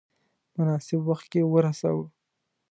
مناسب وخت کې ورساوه.